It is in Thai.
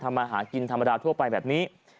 มาหากินธรรมดาทั่วไปแบบนี้